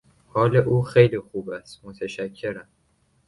حال او خیلی خوب است، متشکرم.